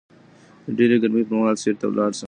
د ډېرې ګرمۍ پر مهال سيوري ته ولاړ شه